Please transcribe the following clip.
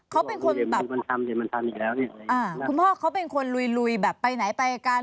เค้าเป็นคนแบบคุณพ่อเค้าเป็นคนลุยแบบไปไหนไปกัน